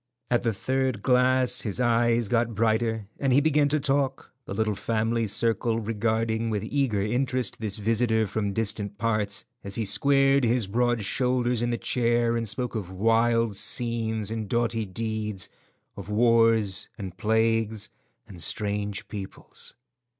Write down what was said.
At the third glass his eyes got brighter, and he began to talk, the little family circle regarding with eager interest this visitor from distant parts, as he squared his broad shoulders in the chair and spoke of wild scenes and doughty deeds; of wars and plagues and strange peoples.